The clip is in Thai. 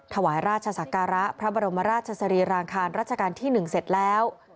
ถวายราชศักระพระบรมราชสรีรางคารราชการที่๑เสร็จแล้ว